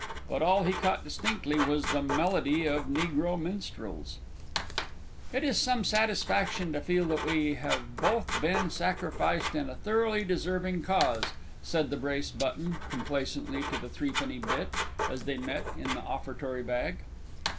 But all he caught distinctly was the melody of negro minstrels. "It is some satisfaction to feel that we have both been sacrificed in a thoroughly deserving cause!" said the Brace button, complacently, to the Threepenny Bit, as they met in the Offertory Bag.